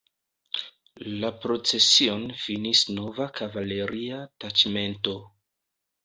La procesion finis nova kavaleria taĉmento.